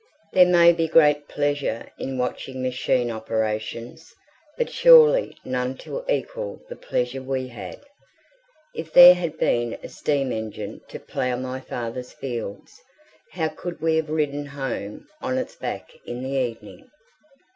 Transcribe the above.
There may be great pleasure in watching machine operations, but surely none to equal the pleasure we had. If there had been a steam engine to plough my father's fields, how could we have ridden home on its back in the evening?